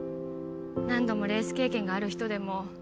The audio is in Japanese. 何度もレース経験がある人でも